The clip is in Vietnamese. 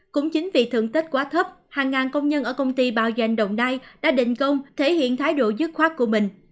cũng chính vì thưởng tết quá thấp hàng ngàn công nhân ở công ty bao giờnh đồng nai đã định công thể hiện thái độ dứt khoát của mình